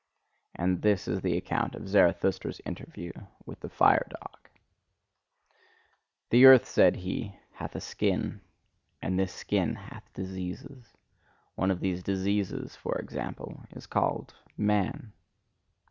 And this is the account of Zarathustra's interview with the fire dog: The earth, said he, hath a skin; and this skin hath diseases. One of these diseases, for example, is called "man."